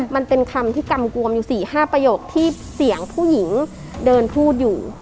มันเป็นคำที่กำกวมอยู่๔๕ประโยคที่เสียงผู้หญิงเดินพูดอยู่